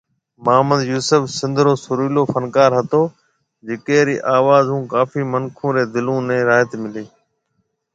محمد يوسف سنڌ رو سريلو فنڪار هتو جڪي رِي آواز هون ڪافي منکون ري دلون ني راحت ملي